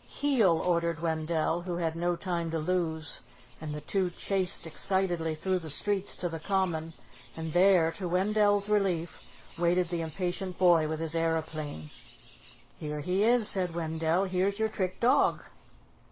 "Heel," ordered Wendell, who had no time to lose, and the two chased excitedly through the streets to the Common, and there, to Wendell's relief, waited the impatient boy with his aeroplane. "Here he is," said Wendell. "Here's your trick dog."